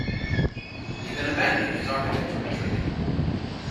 He then abandoned his architectural training.